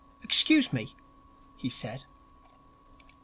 'Excuse me,' he said. 11.